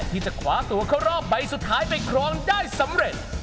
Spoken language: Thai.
ที่จะขวาตัวเข้ารอบใบสุดท้ายไปครองได้สำเร็จ